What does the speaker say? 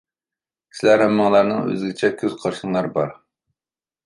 سىلەر ھەممىڭلارنىڭ ئۆزگىچە كۆز قارىشىڭلار بار.